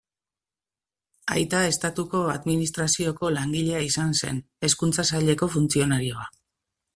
Aita estatuko administrazioko langilea izan zen, hezkuntza saileko funtzionarioa.